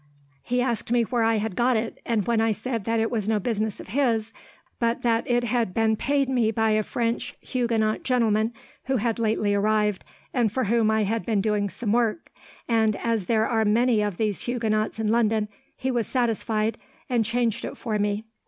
He asked me where I had got it, and when I said that it was no business of his, but that it had been paid me by a French Huguenot gentleman, who had lately arrived, and for whom I had been doing some work; and as there are many of these Huguenots in London, he was satisfied, and changed it for me.